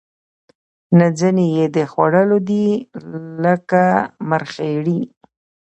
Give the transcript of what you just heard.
نه ځینې یې د خوړلو دي لکه مرخیړي